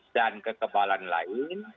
dan kekebalan lain